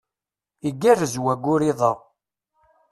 Igerrez wayyur iḍ-a.